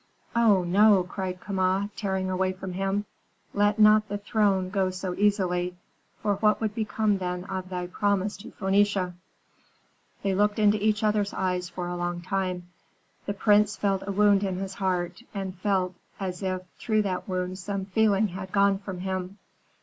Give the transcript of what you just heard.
"Oh, no!" cried Kama, tearing away from him; "let not the throne go so easily, for what would become then of thy promise to Phœnicia?" They looked into each other's eyes for a long time. The prince felt a wound in his heart, and felt as if through that wound some feeling had gone from him.